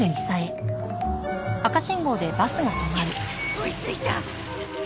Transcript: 追いついた！